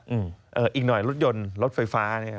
เอ่ออีกหน่อยรถยนต์รถไฟฟ้าเนี้ย